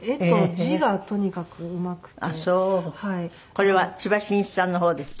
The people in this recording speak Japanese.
これは千葉真一さんの方ですよ。